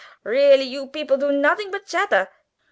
Really you beople do noding but chadder!"